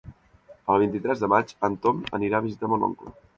El vint-i-tres de maig en Tom anirà a visitar mon oncle.